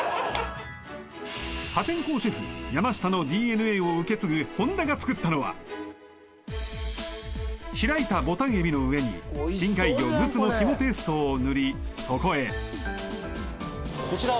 破天荒シェフ山下のＤＮＡを受け継ぐ本多が作ったのは開いたボタン海老の上に深海魚ムツの肝ペーストを塗りそこへこちらは？